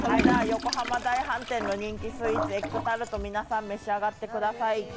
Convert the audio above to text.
横浜大飯店の人気スイーツ、エッグタルト、皆さん、召し上がってください。